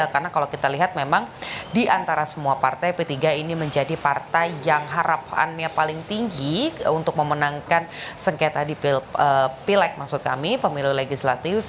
karena kalau kita lihat memang di antara semua partai p tiga ini menjadi partai yang harapannya paling tinggi untuk memenangkan sengketa di pileg maksud kami pemilu legislatif